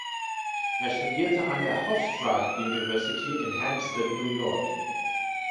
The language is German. Er studierte an der Hofstra University in Hempstead, New York.